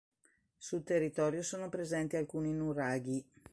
Sul territorio sono presenti alcuni nuraghi.